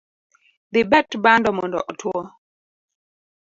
Dhibet bando mondo otwo.